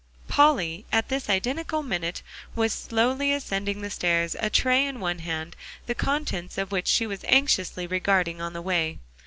Polly at this identical minute was slowly ascending the stairs, a tray in one hand, the contents of which she was anxiously regarding on the way.